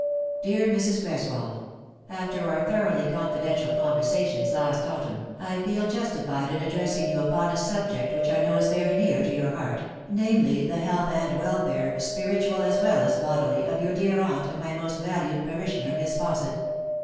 "Dear Mrs. Greswold, After our thoroughly confidential conversations last autumn I feel justified in addressing you upon a subject which I know is very near to your heart, namely, the health and welfare, spiritual as well as bodily, of your dear aunt and my most valued parishioner, Miss Fausset.